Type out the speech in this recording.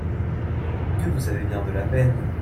Que vous avez bien de la peine.